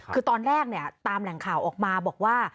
คือตอนแรกเนี่ยตามแหล่งข่าวออกมาบอกว่า